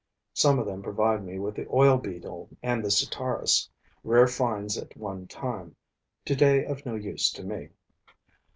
Some of them provide me with the oil beetle and the Sitaris, rare finds at one time, today of no use to me.